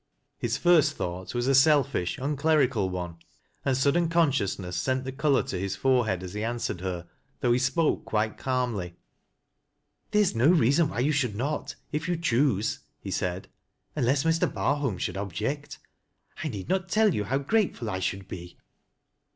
His first thought was a selfish, unclerical one, and sudden consciousness sent the color to his forehead as he answered her, though he spoke quite calmly. " There is no reason why you should not — if you choose," he said, " unless Mr. Barholm should object. I need no* tell you how grateful I should be."